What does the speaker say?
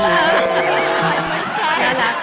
ไม่ใช่น่ารัก